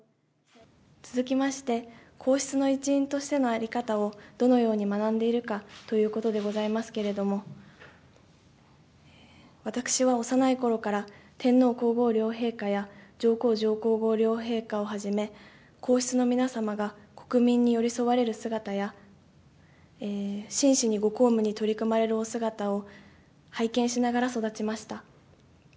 続きまして、皇室の一員としての在り方をどのように学んでいるかということでございますけれども、私は幼いころから天皇皇后両陛下や、上皇上皇后両陛下をはじめ、皇室の皆様が国民に寄り添われる姿や、真摯にご公務に取り組まれるお姿を拝見しながら育ちました。